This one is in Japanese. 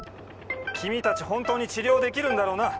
君たち本当に治療できるんだろうな？